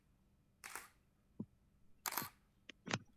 There were a number of other attractions both in and outside of The Dome.